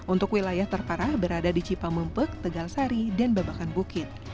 untuk wilayah terparah berada di cipamempek tegalsari dan babakan bukit